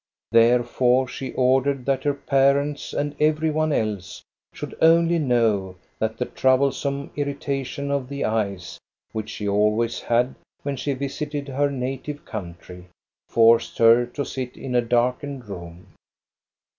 Therefore she ordered that her parents and every one else should only know that the troublesome irritation of the eyes, which she always had when she visited her native country, forced her to sit in a darkened room.